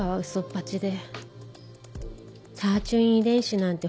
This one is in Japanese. ぱちでサーチュイン遺伝子なんて